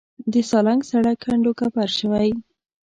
د سالنګ سړک کنډو کپر شوی و.